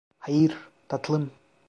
Hayır, tatlım.